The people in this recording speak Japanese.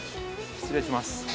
失礼します。